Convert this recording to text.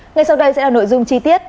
ngay sau đây sẽ là nội dung chi tiết